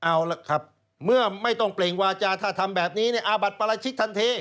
เอาละครับเมื่อไม่ต้องเปล่งวาจาถ้าทำแบบนี้อาบัติปราชิกทันที